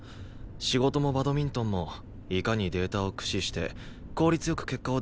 仕事もバドミントンもいかにデータを駆使して効率良く結果を出すかでしょう？